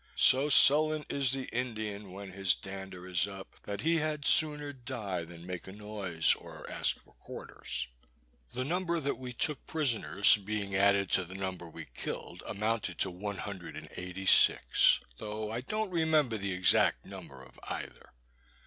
So sullen is the Indian, when his dander is up, that he had sooner die than make a noise, or ask for quarters. The number that we took prisoners, being added to the number we killed, amounted to one hundred and eighty six; though I don't remember the exact number of either.